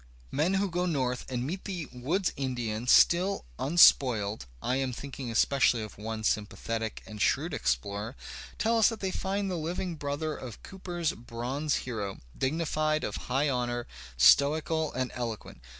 Men who go north and meet the woods Indian still un spoiled (I am thinking especially of one sympathetic and shrewd explorer) tell us that they find the Uving brother of Cooper's bronze hero, dignified, of high honour, stoical and eloquent.